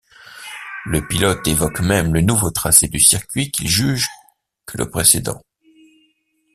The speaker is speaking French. Le pilote évoque même le nouveau tracé du circuit qu'il juge que le précédent.